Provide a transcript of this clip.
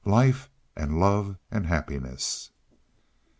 "Life and love and happiness."